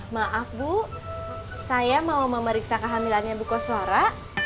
maaf bu saya mau memeriksa kehamilannya bu koswara